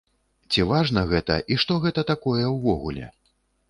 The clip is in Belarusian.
Ці важна гэта і што гэта такое ўвогуле?